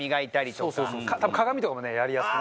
多分鏡とかもねやりやすく。